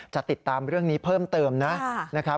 จะติดตามเรื่องนี้เพิ่มเติมนะครับ